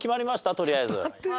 とりあえず。